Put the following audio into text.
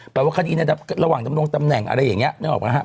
แปลว่าคดีเนี่ยระหว่างจะลงตำแหน่งอะไรอย่างเงี้ยนึกออกปะฮะ